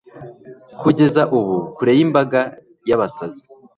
Kugeza ubu kure yimbaga yabasazi